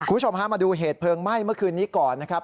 คุณผู้ชมฮะมาดูเหตุเพลิงไหม้เมื่อคืนนี้ก่อนนะครับ